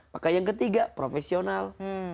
maka yang ketiga profesional